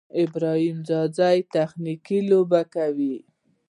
ابراهیم ځدراڼ تخنیکي لوبه کوي.